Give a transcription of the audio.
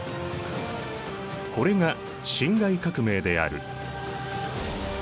これが辛亥革命である。